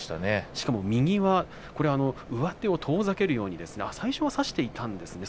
しかも右が上手を遠ざけるように最初は差していたんですね。